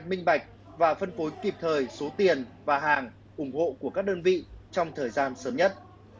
minh bạch và phân phối kịp thời số tiền và hàng ủng hộ của các đơn vị trong thời gian sớm nhất